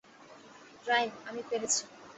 Rhyme, আমি পেয়েছি।